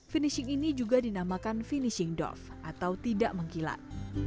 finishing ini juga dinamakan finishing doft atau tidak mengkilat